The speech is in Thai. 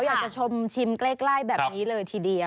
อยากจะชมชิมใกล้แบบนี้เลยทีเดียว